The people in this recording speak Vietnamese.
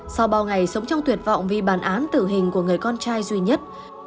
sau bao ngày sống trong tuyệt vọng vì bản án tử hình của người con trai duy nhất